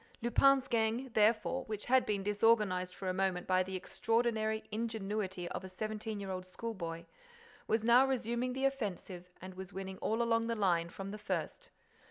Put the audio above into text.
Lupin's gang, therefore, which had been disorganized for a moment by the extraordinary ingenuity of a seventeen year old schoolboy, was now resuming the offensive and was winning all along the line from the first.